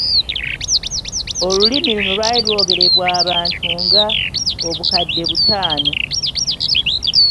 Olulimi luno lwali lwogerebwa abantu nga: obukadde butaano.